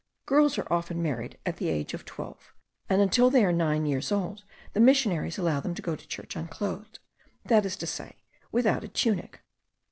Girls are often married at the age of twelve; and until they are nine years old, the missionaries allow them to go to church unclothed, that is to say, without a tunic.